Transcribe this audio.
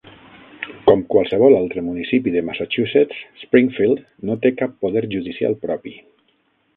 Com qualsevol altre municipi de Massachusetts, Springfield no té cap poder judicial propi.